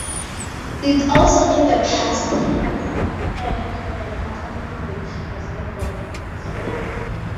It also in the past has aired Manhattan College basketball games.